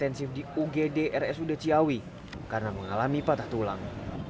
ketika dikontrol intensif di ugdrs udeciawi karena mengalami patah tulang